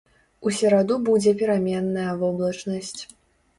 У сераду будзе пераменная воблачнасць.